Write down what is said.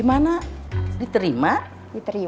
kalau sta tersantasin